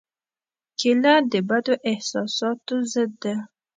کېله د بدو احساساتو ضد ده.